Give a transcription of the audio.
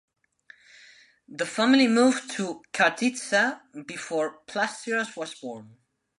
The family moved to Karditsa before Plastiras was born.